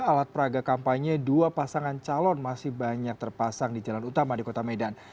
alat peraga kampanye dua pasangan calon masih banyak terpasang di jalan utama di kota medan